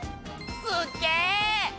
すっげぇ！